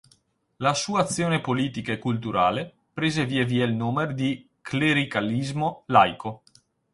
La sua azione politica e culturale prese via via il nome di clericalismo laico.